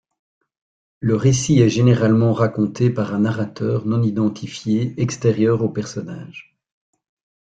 Le récit est généralement raconté par un narrateur non identifié extérieur aux personnages.